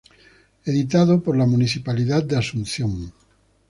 Editado por la Municipalidad de Asunción.